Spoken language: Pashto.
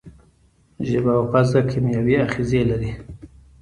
ژبه او پزه کیمیاوي آخذې لري.